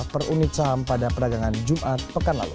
per unit saham pada peragangan jumat pekan lalu